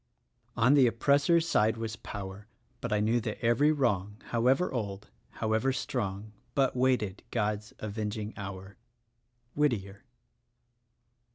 "On the oppressor's side was power; But I knew that every wrong, However old, however strong, But waited God's avenging hour." — Whittier.